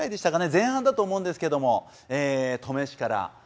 前半だと思うんですけども登米市からあのモネがね